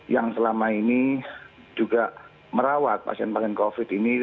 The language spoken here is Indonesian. yang selama ini juga merawat pasien pasien covid ini